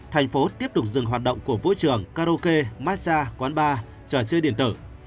thành phố tiếp tục dừng hoạt động của vũ trường karaoke massage quán bar trò chơi điện tử